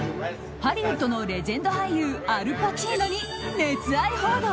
ハリウッドのレジェンド俳優アル・パチーノに熱愛報道。